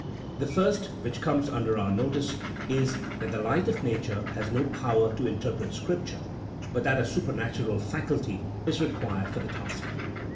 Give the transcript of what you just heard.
The first which comes under our notice is, that the light of nature has no power to interpret Scripture, but that a supernatural faculty is required for the task.